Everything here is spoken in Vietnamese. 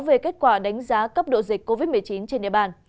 về kết quả đánh giá cấp độ dịch covid một mươi chín trên địa bàn